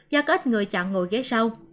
do có ít người chọn ngồi ghế sau